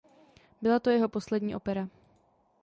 Byla to jeho poslední opera.